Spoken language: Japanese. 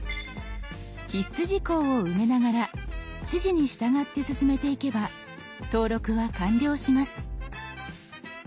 必須事項を埋めながら指示に従って進めていけば登録は完了します。